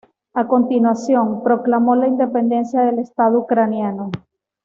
A continuación, proclamó la independencia del Estado ucraniano.